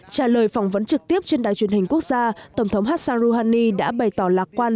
trả lời phỏng vấn trực tiếp trên đài truyền hình quốc gia tổng thống hassan rouhani đã bày tỏ lạc quan